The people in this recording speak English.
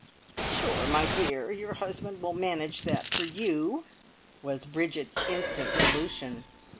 "Sure, my dear, your husband will manage that for you!" was Bridget's instant solution.